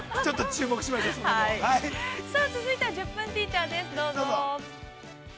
続いては「１０分ティーチャー」です、どうぞ。